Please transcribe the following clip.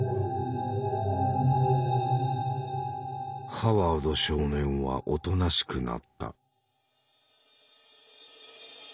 ハワード少年はおとなしくなった。